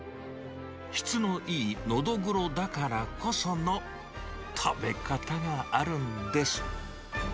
質のいいノドグロだからこその食べ方があるんです。